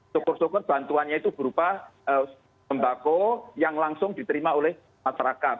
tukur tukur bantuannya itu berupa pembako yang langsung diterima oleh masyarakat